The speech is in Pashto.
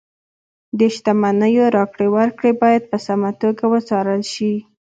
د شتمنیو راکړې ورکړې باید په سمه توګه وڅارل شي.